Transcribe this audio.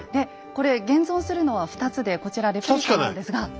これ現存するのは２つでこちらレプリカなんですが。